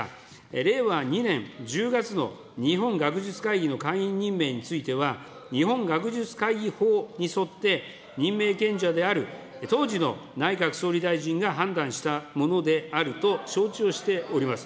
令和２年１０月の日本学術会議の会員任命については、日本学術会議法に沿って、任命権者である当時の内閣総理大臣が判断したものであると承知をしております。